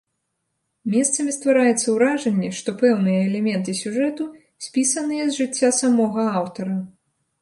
Месцамі ствараецца ўражанне, што пэўныя элементы сюжэту спісаныя з жыцця самога аўтара.